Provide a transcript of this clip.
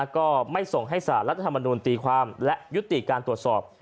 ก็ไม่ส่งให้สารรัฐธรรมนูลตีความและยุติการตรวจสอบ